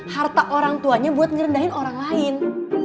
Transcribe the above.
harta orang tuanya buat ngerendahin orang lain